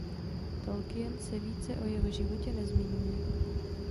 Tolkien se více o jeho životě nezmiňuje.